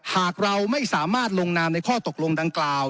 หากเราไม่สามารถลงนามในข้อตกลงดังกล่าว